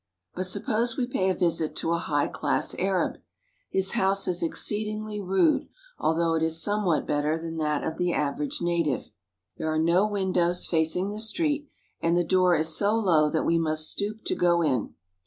But suppose we pay a visit to a high class Arab. His house is exceedingly rude, although it is somewhat better than that of the average native. There are no windows facing the street, and the door is so low that we must stoop to go in.